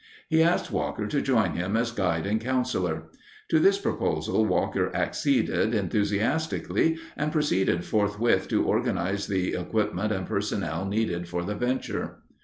He asked Walker to join him as guide and counselor. To this proposal Walker acceded enthusiastically and proceeded forthwith to organize the equipment and personnel needed for the venture.